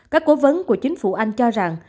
các cố vấn của chính phủ anh cho rằng